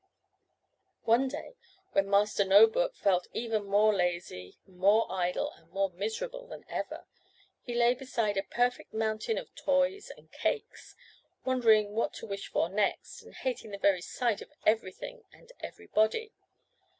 One day, when Master No book felt even more lazy, more idle, and more miserable than ever, he lay beside a perfect mountain of toys and cakes, wondering what to wish for next, and hating the very sight of everything and everybody.